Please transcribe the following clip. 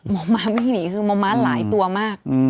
ม้าวิ่งหนีคือมองม้าหลายตัวมาก